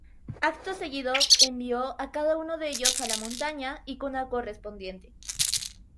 Acto seguido envió a cada uno de ellos a la montaña y cuna correspondiente.